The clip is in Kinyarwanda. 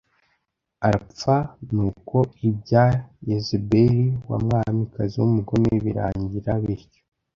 arapfa Nuko ibya Yezebeli wa Mwamikazi w umugome birangira bityo